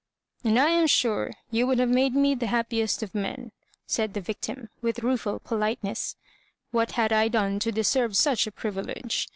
*;^And I am sure "you would have made me the happiest of men," said the victim, with rue ful pohteness. " "What had I done to deserve such a privilege?